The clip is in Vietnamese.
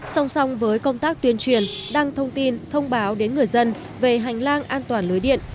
song song với công tác tuyên truyền đăng thông tin thông báo đến người dân về hành lang an toàn lưới điện